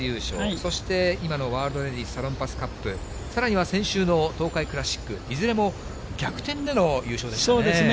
そして今のワールドレディスサロンパスカップ、さらに東海クラシック、いずれ逆転での優勝でしたね。